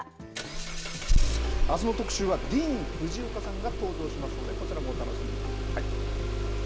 あすの特集は、ディーン・フジオカさんが登場しますので、こちらもお楽しみに。